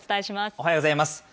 おはようございます。